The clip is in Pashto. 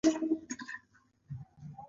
سترگې يې له اوښکو ډکې وې.